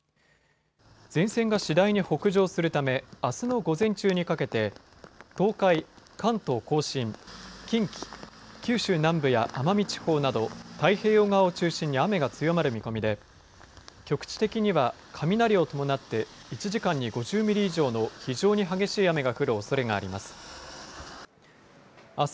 前線が次第に北上するためあすの午前中にかけて東海、関東甲信、近畿、九州南部や奄美地方など太平洋側を中心に雨が強まる見込みで局地的には雷を伴って１時間に５０ミリ以上の非常に激しい雨が降るおそれがあります。